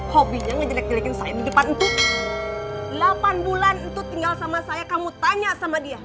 hobinya ngejelek jelekin saya di depan itu delapan bulan itu tinggal sama saya kamu tanya sama dia